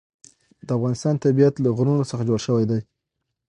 د افغانستان طبیعت له غرونه څخه جوړ شوی دی.